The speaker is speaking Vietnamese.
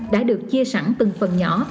đã được chia sẵn từng phần nhỏ